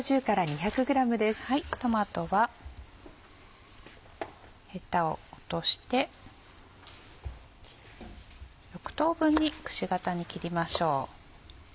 トマトはヘタを落として６等分にくし形に切りましょう。